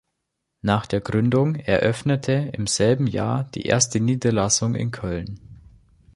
Nach der Gründung eröffnete im selben Jahr die erste Niederlassung in Köln.